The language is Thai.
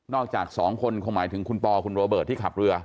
จากสองคนคงหมายถึงคุณปอคุณโรเบิร์ตที่ขับเรือ